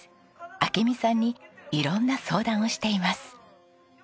明美さんに色んな相談をしています。